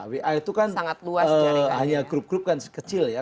wa itu kan hanya grup grup kan kecil ya